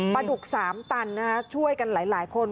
ประดุกสามตันนะคะช่วยกันหลายคน